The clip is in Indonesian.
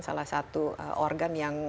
salah satu organ yang